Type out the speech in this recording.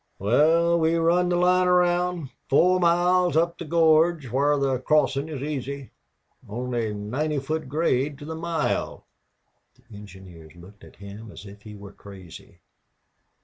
"Wal, we run the line around four miles up the gorge whar the crossin' is easy. Only ninety foot grade to the mile." The engineers looked at him as if he were crazy.